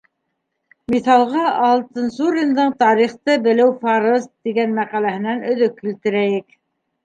Миҫалға Алтынсуриндың «Тарихты белеү фарыз» тигән мәҡәләһенән өҙөк килтерәйек.